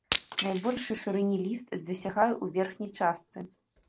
Найбольшай шырыні ліст дасягае ў верхняй частцы.